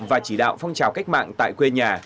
và chỉ đạo phong trào cách mạng tại quê nhà